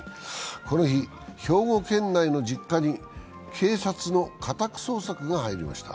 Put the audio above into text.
この日、兵庫県内の実家に警察の家宅捜索が入りました。